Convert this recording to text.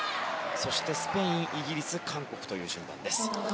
そしてスペイン、イギリス韓国という順番です。